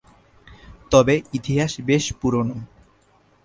তবে ইতিহাস বেশ পুরোনো।